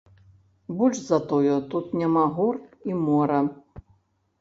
Больш за тое, тут няма гор і мора.